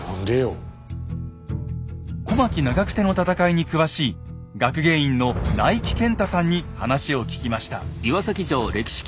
小牧・長久手の戦いに詳しい学芸員の内貴健太さんに話を聞きました。